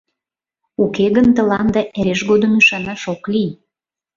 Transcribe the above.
Уке гын тыланда эреж годым ӱшанаш ок лий.